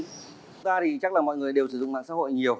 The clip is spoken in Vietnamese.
chúng ta thì chắc là mọi người đều sử dụng mạng xã hội nhiều